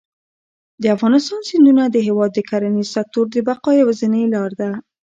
د افغانستان سیندونه د هېواد د کرنیز سکتور د بقا یوازینۍ لاره ده.